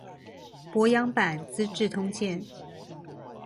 柏楊版資治通鑑